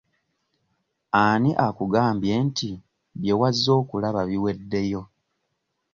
Ani akugambye nti bye wazze okulaba biweddeyo?